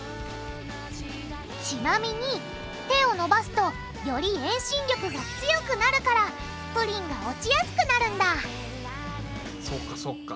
ちなみに手を伸ばすとより遠心力が強くなるからプリンが落ちやすくなるんだそうかそうか。